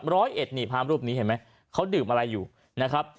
เนี่ยภารก์อำรูปนี้เห็นไหมเขาดื่มอะไรอยู่นะครับ